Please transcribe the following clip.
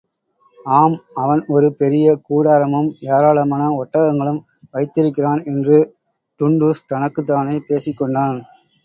ஆம், அவன் ஒரு பெரிய கூடாரமும் ஏராளமான ஒட்டகங்களும் வைத்திருக்கிறான் என்று டுன்டுஷ் தனக்குத்தானே பேசிக் கொண்டான்.